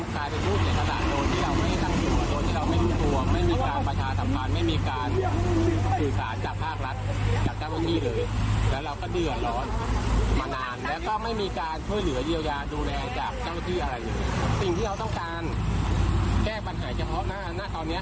สิ่งที่เราต้องการแก้ปัญหาเฉพาะหน้าณตอนนี้